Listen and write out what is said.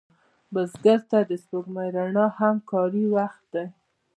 بزګر ته د سپوږمۍ رڼا هم کاري وخت دی